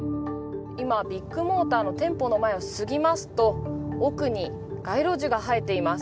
今ビッグモーターの店舗の前を過ぎますと、奥に街路樹が生えています。